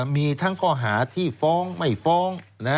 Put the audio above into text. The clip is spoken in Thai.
มีทั้งข้อหาที่ฟ้องไม่ฟ้อง